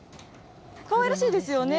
かわいらしいですよね。